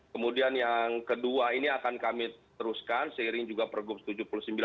kemudian yang kedua ini akan kami teruskan seiring juga pergub tujuh puluh sembilan